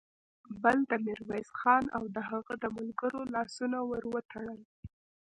بل د ميرويس خان او د هغه د ملګرو لاسونه ور وتړل.